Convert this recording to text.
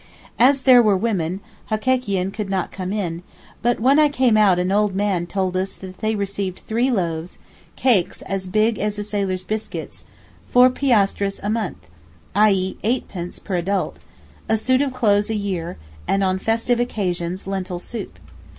As there were women, Hekekian could not come in, but when I came out an old man told us they received three loaves (cakes as big as a sailor's biscuit), four piastres a month—i.e., eightpence per adult—a suit of clothes a year, and on festive occasions lentil soup.